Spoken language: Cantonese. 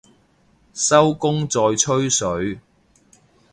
收工再吹水